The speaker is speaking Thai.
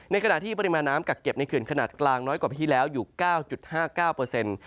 ขณะที่ปริมาณน้ำกักเก็บในเขื่อนขนาดกลางน้อยกว่าปีที่แล้วอยู่๙๕๙เปอร์เซ็นต์